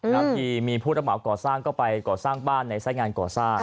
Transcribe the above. รับทีมีผู้ระเบาเกาะสร้างเข้าไปเกาะสร้างบ้านในทรายงานเกาะซ่า